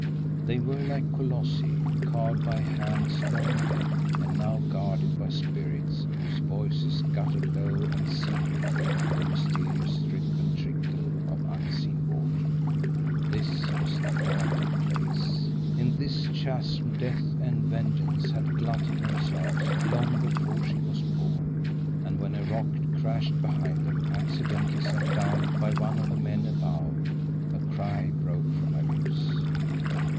They were like colossi, carved by hands long dead, and now guarded by spirits whose voices guttered low and secretly in the mysterious drip and trickle of unseen water. This was the haunted place. In this chasm death and vengeance had glutted themselves long before she was born; and when a rock crashed behind them, accidentally sent down by one of the men above, a cry broke from her lips.